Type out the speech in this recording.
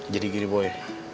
jadi gini boy